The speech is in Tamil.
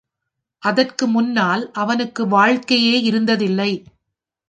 அதற்கு முன்னால் அவனுக்கு வாழ்க்கையே இருந்ததில்லை.